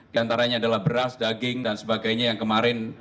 diantaranya adalah beras daging dan sebagainya yang kemarin